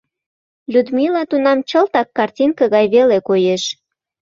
Людмила тунам чылтак картинка гай веле коеш.